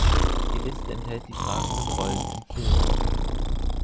Die Liste enthält die tragenden Rollen im Film.